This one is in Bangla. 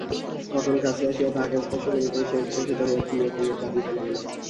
পটল কাছে আসিয়া তাহাকে স্পর্শ করিতেই সে উচ্ছ্বসিত হইয়া ফুলিয়া ফুলিয়া কাঁদিতে লাগিল।